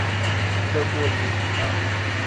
Tamboril